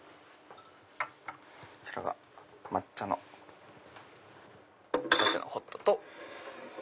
こちらが抹茶のラテのホットと。